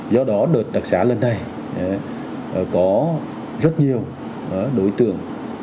do đó đợt đặc sá lên đây có rất nhiều đối tượng